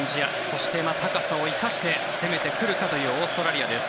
そして高さを生かして攻めてくるかというオーストラリア。